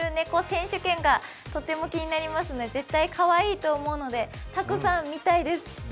選手権がとても気になりますね、絶対かわいいと思うのでたくさん見たいです。